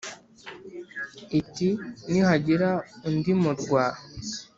iti : nihagira undi murwa,